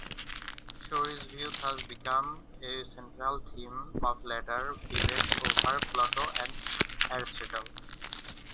Shorey's views thus became a central theme of later debates over Plato and Aristotle.